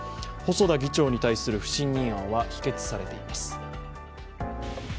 細田議長に対する不信任案は否決されています。